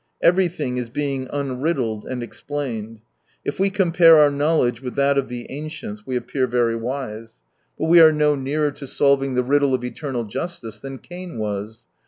Everything is being unriddled and explained. If we com pare our knowledge with that of the ancients, we appear very wise. But we are no nearer 68 to solving the riddle of eternal justice than Cain was.